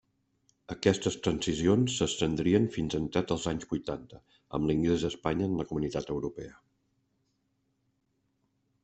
Aquestes transicions s'estendrien fins entrats els anys vuitanta, amb l'ingrés d'Espanya en la Comunitat Europea.